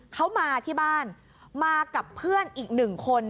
เขามาที่บ้านมากับเพื่อนอีกหนึ่งคน